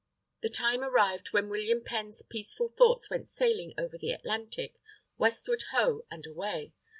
The time arrived when William Penn's peaceful thoughts went sailing over the Atlantic, westward ho, and away!